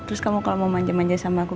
terus kamu kalau mau manja manja sama aku